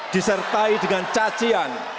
disertai dengan cacian